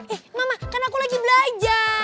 eh mama kan aku lagi belajar